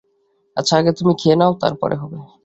আচ্ছা, আগে তুমি খেয়ে নাও, তার পরে হবে।